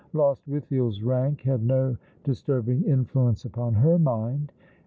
Lostwithiel's rank had no disturb ing influence upon her mind.